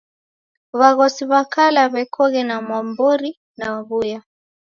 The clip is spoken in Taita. W'aghosi w'a kala w'ekoghe na mwambori na w'uya